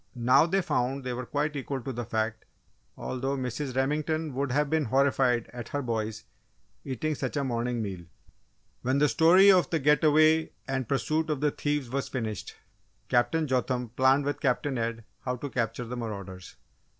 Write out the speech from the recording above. Now, they found they were quite equal to the fact, although Mrs. Remington would have been horrified at her boys eating such a morning meal! When the story of the get away and pursuit of the thieves was finished, Captain Jotham planned with Captain Ed how to capture the marauders.